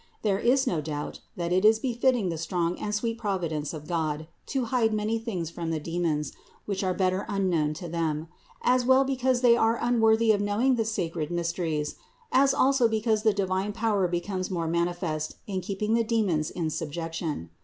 There is no doubt that it is befitting the strong and sweet providence of God to hide many things from the demons, which are better unknown to them; as well because they are unworthy of knowing the sacred mys teries (for the reason given above in number 318), as also because the divine power becomes more manifest in keeping the demons in subjection.